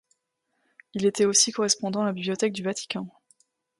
Il était aussi correspondant à la Bibliothèque du Vatican.